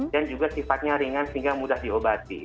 dan juga sifatnya ringan sehingga mudah diobati